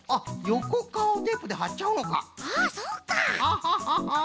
ハハハハ！